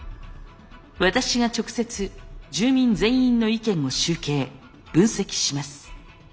私が直接住民全員の意見を集計分析します。